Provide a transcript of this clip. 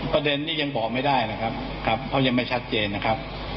ประเด็นนี้ยังบอกไม่ได้นะครับครับเพราะยังไม่ชัดเจนนะครับ